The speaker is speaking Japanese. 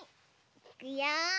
いくよ。